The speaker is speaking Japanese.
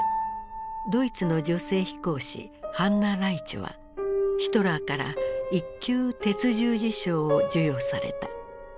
ドイツの女性飛行士ハンナ・ライチュはヒトラーから一級鉄十字章を授与された。